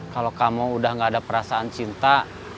kalau kamu udah gak ada perasaan cinta